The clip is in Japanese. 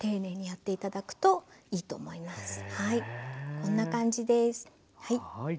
こんな感じです。